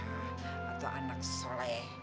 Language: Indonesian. atau anak soleh